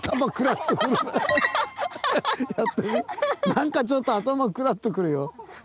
なんかちょっと頭クラっとくるよ。